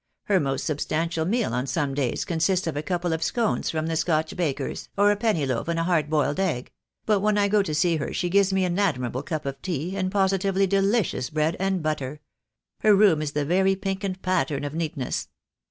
Her most substantial meal on some days consists of a couple of scones from the Scotch baker's, or a penny loaf and a hard boiled egg; but when I go to see her she gives me an admirable cup of tea, and positively delicious bread and butter. Her room is the very pink and pattern of neatness.